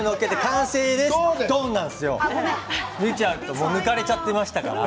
もう抜かれてしまっていましたから。